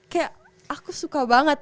kayak aku suka banget